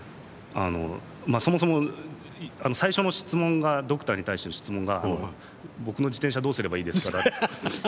あの、まあそもそも最初のドクターに対しての質問が僕の自転車どうすればいいですか。